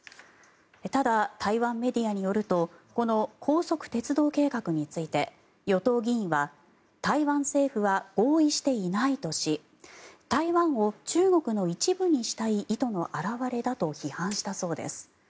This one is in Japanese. ただ、台湾メディアによるとこの高速鉄道計画について与党議員は台湾政府は合意していないとし台湾を中国の一部にしたい意図の表れだと批判したそうです。